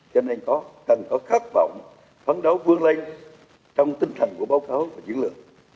cho nên cần có khát vọng phấn đấu vương lên trong tinh thần của báo cáo và chiến lược